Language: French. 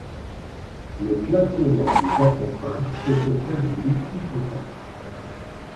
Le classement des attentats peut se faire de multiples façons.